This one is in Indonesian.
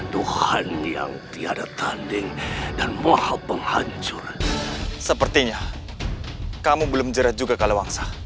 tuhan yang tiada tanding dan muhaf penghancur sepertinya kamu belum jera juga kalau bangsa